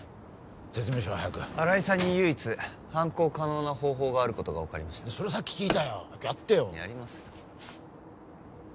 説明しろ早く新井さんに唯一犯行可能な方法があることが分かりましたそれさっき聞いたよ早くやってよやりますよ